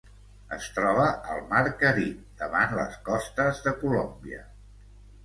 Es troba al mar Carib davant les costes de Colòmbia.